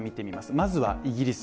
まずはイギリス